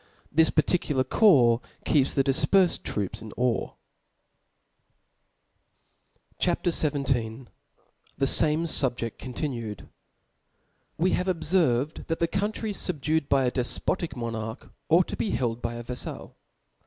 This parttcular corps keeps ^he difperfed troops in awe. CHAP. XVII. T^hejame SubjeSi continued. \JU E have obferved that the countries fubducd ^^ by a defpotic monarch, ought to be held by a yaffal.